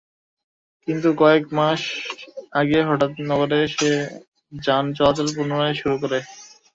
কিন্তু কয়েক মাস আগে হঠাৎ নগরে এসব যান চলাচল পুনরায় শুরু করে।